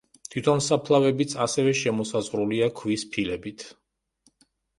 თვითონ საფლავებიც ასევე შემოსაზღვრულია ქვის ფილებით.